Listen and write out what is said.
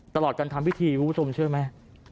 ตลอดการทำพิธีคุณผู้ชมเชื่อไหม